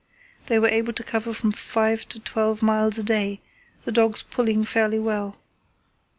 They were able to cover from five to twelve miles a day, the dogs pulling fairly well.